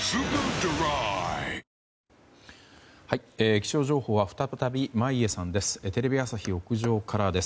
気象情報は再び眞家さんです。